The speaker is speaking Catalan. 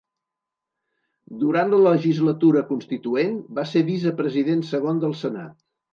Durant la legislatura constituent va ser vicepresident segon del Senat.